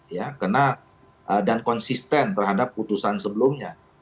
ya karena dan konsisten terhadap putusan sebelumnya